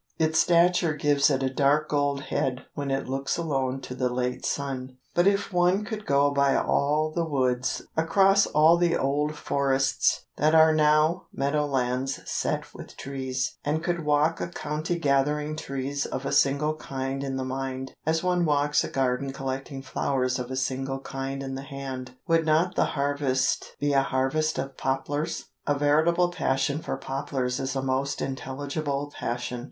Its stature gives it a dark gold head when it looks alone to a late sun. But if one could go by all the woods, across all the old forests that are now meadowlands set with trees, and could walk a county gathering trees of a single kind in the mind, as one walks a garden collecting flowers of a single kind in the hand, would not the harvest be a harvest of poplars? A veritable passion for poplars is a most intelligible passion.